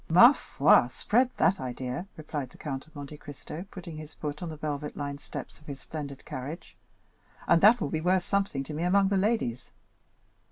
"Ma foi, spread that idea," replied the Count of Monte Cristo, putting his foot on the velvet lined steps of his splendid carriage, "and that will be worth something to me among the ladies."